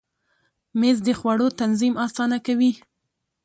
مېز د خوړو تنظیم اسانه کوي.